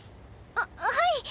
あっはい！